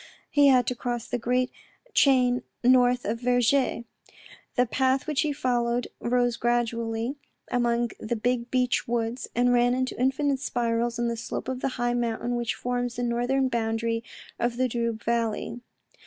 He had to cross the great chain north of Vergy. The path which he followed rose gradually among the big beech woods, and ran into infinite spirals on the slope of the high mountain which forms the northern boundary of the Doubs valley.